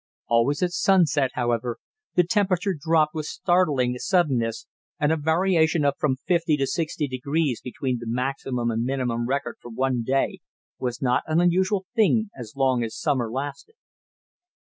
Always at sunset, however, the temperature dropped with startling suddenness, and a variation of from fifty to sixty degrees between the maximum and minimum record for one day was not an unusual thing as long as summer lasted.